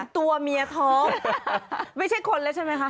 ตัวเมียท้องไม่ใช่คนแล้วใช่ไหมคะ